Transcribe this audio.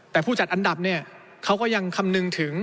แต่ผู้จัดอันดับเนี่ยเขาก็ยังคำนึงถึง